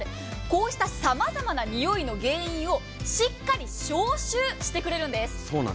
こうしたさまざまな臭いの原因をしっかり消臭してくれるんです。